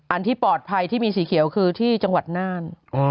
ที่ปลอดภัยที่มีสีเขียวคือที่จังหวัดน่าน